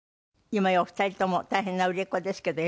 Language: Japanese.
今やお二人とも大変な売れっ子ですけど。